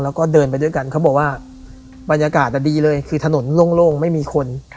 แล้วก็เดินไปด้วยกันเขาบอกว่าบรรยากาศดีเลยคือถนนโล่งไม่มีคน